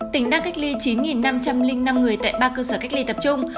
tỉnh đang cách ly chín năm trăm linh năm người tại ba cơ sở cách ly tập trung